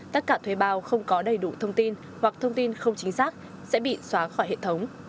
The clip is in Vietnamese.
tất cả thuê bao không có đầy đủ thông tin hoặc thông tin không chính xác sẽ bị xóa khỏi hệ thống